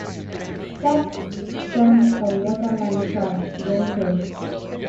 Sparks sprang from water line taps when touched.